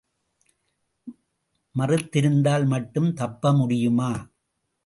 மறுத்திருந்தால் மட்டும் தப்ப முடியுமா?